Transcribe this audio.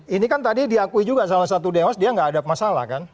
ini kan tadi diakui juga salah satu dewas dia nggak ada masalah kan